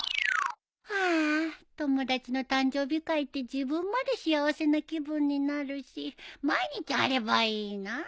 はあー友達の誕生日会って自分まで幸せな気分になるし毎日あればいいなあ。